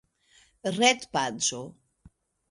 retpaĝo